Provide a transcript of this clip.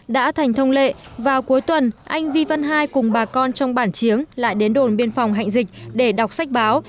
đã thành thông lệ vào cuối tuần anh vi văn hai cùng bà con trong bản chiếng lại đến đồn biên phòng hạnh dịch để đọc sách báo